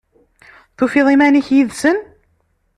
Tufiḍ iman-ik yid-sen?